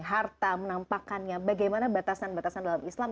harta menampakkannya bagaimana batasan batasan dalam islam